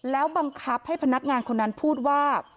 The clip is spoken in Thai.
แล้วบังคับให้พนักงานคนนั้นพูดว่า